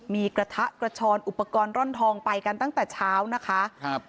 มีกระทะกระชอนอุปกรณ์ร่อนทองไปกันตั้งแต่เช้านะคะครับ